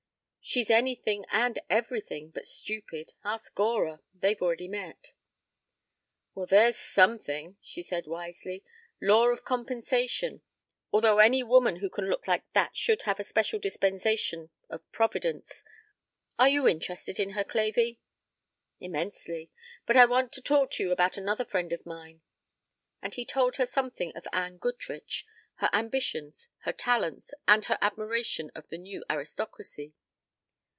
"She's anything and everything but stupid. Ask Gora. They've met already." "Well, there's something," she said wisely. "Law of compensation. Although any woman who can look like that should have a special dispensation of Providence. Are you interested in her, Clavey?" "Immensely. But I want to talk to you about another friend of mine." And he told her something of Anne Goodrich, her ambitions, her talents, and her admiration of the new aristocracy.